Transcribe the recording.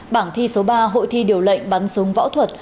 bảng thi số ba hội thi điều lệnh bắn súng võ thuật